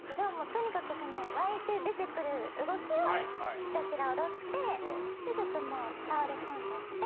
とにかく湧いて出てくる動きをひたすら踊ってでちょっともう倒れこんじゃって。